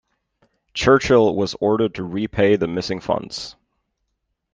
Churchill was ordered to repay the missing funds.